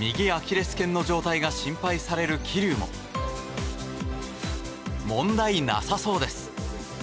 右アキレス腱の状態が心配される桐生も問題なさそうです。